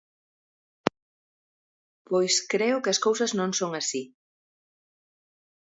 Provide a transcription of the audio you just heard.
Pois creo que as cousas non son así.